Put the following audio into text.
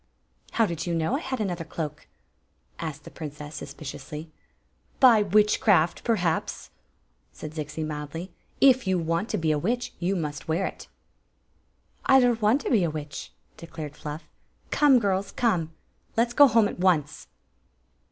" How did you know I had another cloak?" asked the princess, suspiciously. "By witchcraft, perhaps," said Zixi, mildly. "If you want to be a witch you must wear k" "I don't want to be a witch," declared Fluff. " Come, girls, come ; let 's go home at once."